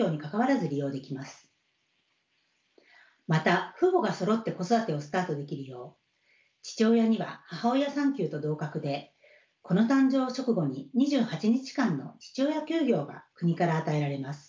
また父母がそろって子育てをスタートできるよう父親には母親産休と同格で子の誕生直後に２８日間の父親休業が国から与えられます。